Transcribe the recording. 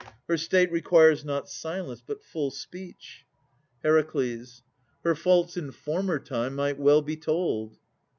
Her state requires not silence, but full speech. HER. Her faults in former time might well be told.